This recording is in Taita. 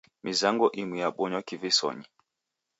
Mizango imu yabonywa kivisonyi.